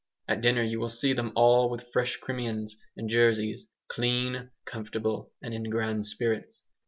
At dinner you will see them all with fresh Crimeans and Jerseys, clean, comfortable, and in grand spirits.